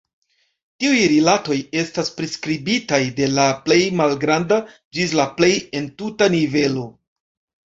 Tiuj rilatoj estas priskribitaj de la plej malgranda ĝis la plej entuta nivelo.